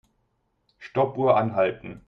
Stoppuhr anhalten.